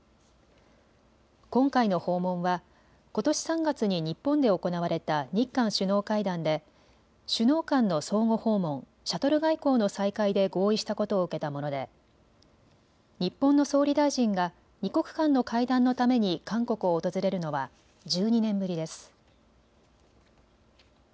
今回の訪問はことし３月に日本で行われた日韓首脳会談で首脳間の相互訪問、シャトル外交の再開で合意したことを受けたもので日本の総理大臣が２国間の会談のために韓国を訪れるのは１２年ぶりです。